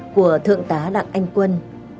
của thượng tá đặng anh quân